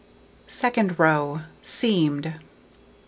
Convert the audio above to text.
Second row: Seamed.